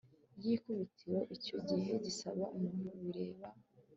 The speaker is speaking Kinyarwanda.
ry ikubitiro icyo gihe gisaba umuntu bireba